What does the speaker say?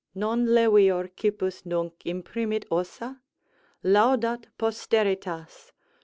"Non levior cippus nunc imprimit ossa? Laudat posteritas!